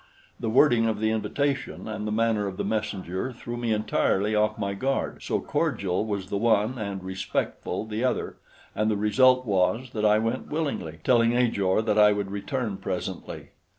The wording of the invitation and the manner of the messenger threw me entirely off my guard, so cordial was the one and respectful the other, and the result was that I went willingly, telling Ajor that I would return presently.